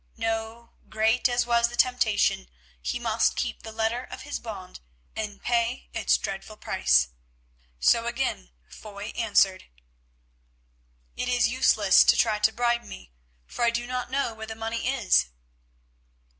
No, great as was the temptation, he must keep the letter of his bond and pay its dreadful price. So again Foy answered, "It is useless to try to bribe me, for I do not know where the money is."